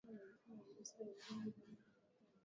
Vatan Inafurahisha kwamba viongozi wake waligundua kuwa